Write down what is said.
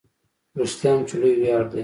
رښتیا هم چې لوی ویاړ دی.